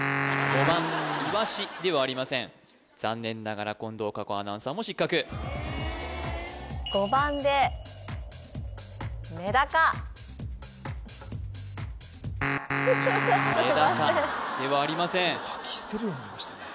５番イワシではありません残念ながら近藤夏子アナウンサーも失格すいませんメダカではありません吐き捨てるように言いましたね